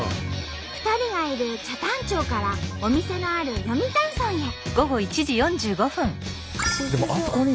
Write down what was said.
２人がいる北谷町からお店のある読谷村へ。